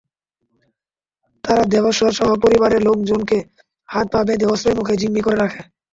তারা দেবেশ্বরসহ পরিবারের লোকজনকে হাত-পা বেঁধে অস্ত্রের মুখে জিম্মি করে রাখে।